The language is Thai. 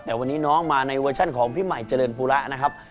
แต่วันนี้น้องมาในเวอร์ชันของพี่ใหม่เจริญภูระนะครับ